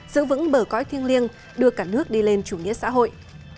giữ vững bờ cõi thiêng liêng đưa cả nước đi lên chủ nghĩa xã hội